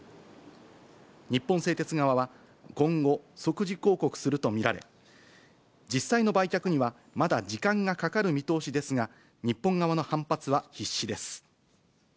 日本製鉄側は、今後、即時抗告すると見られ、実際の売却にはまだ時間がかかる見通しですが、日本側の反発は必至です。